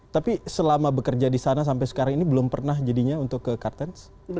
tapi selama bekerja di sana sampai sekarang ini belum pernah jadinya untuk ke kartens